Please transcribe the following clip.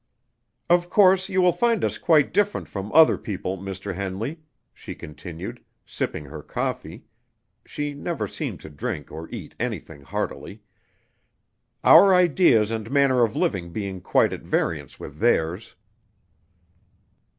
"Of course, you will find us quite different from other people, Mr. Henley," she continued, sipping her coffee (she never seemed to drink or eat anything heartily); "our ideas and manner of living being quite at variance with theirs."